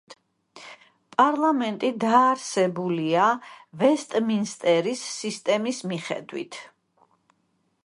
პარლამენტი დაარსებულია ვესტმინსტერის სისტემის მიხედვით.